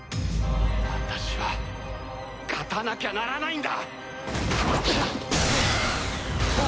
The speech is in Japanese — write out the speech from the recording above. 私は勝たなきゃならないんだ！